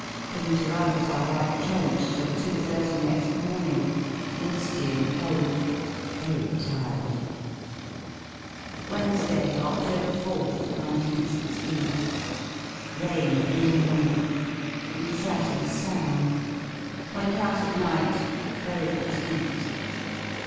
Didn't arrive at our right trench till 2.30 next morning*, mi^y and cold; very tired. Wednesday, Oct. 4th, 1 9 1 6. Rain all morning. We sat and sang. Went out at night; very fatigued!